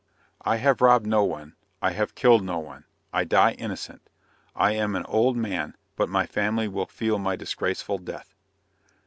(I have robbed no one, I have killed no one, I die innocent. I am an old man, but my family will feel my disgraceful death.)